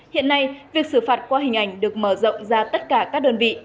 hiện nay việc xử phạt qua hình ảnh được mở rộng ra tất cả các đơn vị